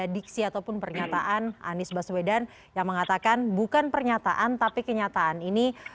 dikatakan bukan pernyataan tapi kenyataan ini